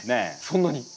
そんなに？